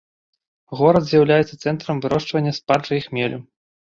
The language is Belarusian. Горад з'яўляецца цэнтрам вырошчвання спаржы і хмелю.